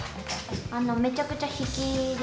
めちゃくちゃ引きで。